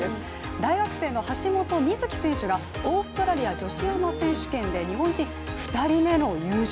大学生の橋本美月選手がオーストラリア女子アマ選手権で日本人２人目の優勝。